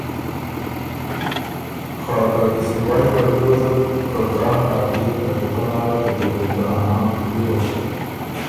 خه ته دِست نیوئ په ریوزت که کان ا پئے ترتُو پناره ته جمیلۀ ا نام وریوک،